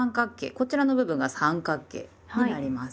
こちらの部分が三角形になります。